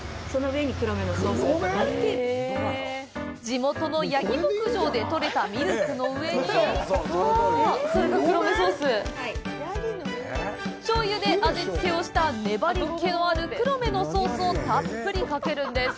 地元のヤギ牧場でとれたミルクの上に醤油で味付けした粘り気のあるクロメのソースをたっぷりかけるんです。